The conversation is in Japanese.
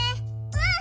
うん！